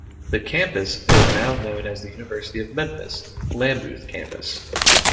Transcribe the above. The campus is now known as the University of Memphis - Lambuth Campus.